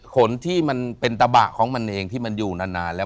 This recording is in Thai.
ขนที่มันเป็นตะบะของมันเองที่มันอยู่นานแล้ว